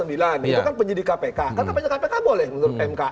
itu kan penyidik kpk kan kampanye kpk boleh menurut mk